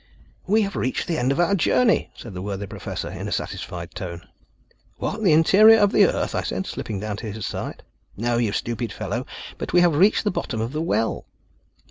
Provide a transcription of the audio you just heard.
"We have reached the end of our journey," said the worthy Professor in a satisfied tone. "What, the interior of the earth?" said I, slipping down to his side. "No, you stupid fellow! but we have reached the bottom of the well."